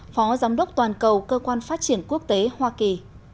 phó giám đốc toàn cầu cơ quan phát triển quốc tế hoa kỳ